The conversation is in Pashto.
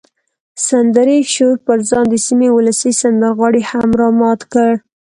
سندریز شور پر ځان د سیمې ولسي سندرغاړي هم را مات کړه.